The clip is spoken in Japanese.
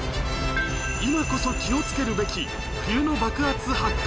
今こそ気をつけるべき冬の爆発・発火！